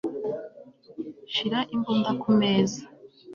Shira imbunda kumeza